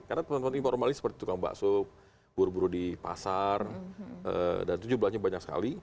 karena teman teman informal ini seperti tukang bakso buru buru di pasar dan itu jumlahnya banyak sekali